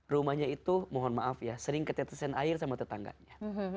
rumahnya itu mohon maaf ya sering ketetesan air sama tetangganya